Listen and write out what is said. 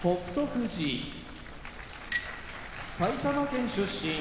富士埼玉県出身